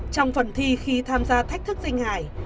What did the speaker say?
trong phần thi khi tham gia thách thức danh hài